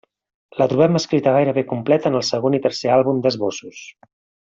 La trobem escrita gairebé completa en el segon i tercer àlbum d'esbossos.